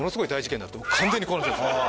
完全にこうなってるんですほお！